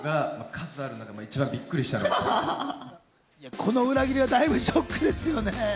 この裏切りはだいぶショックですよね。